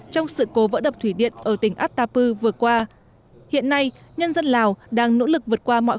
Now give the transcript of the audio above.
trong sự cố vỡ đập thủy điện ở tỉnh atapu vừa qua hiện nay nhân dân lào đang nỗ lực vượt qua mọi